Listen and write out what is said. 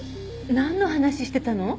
なんの話してたの？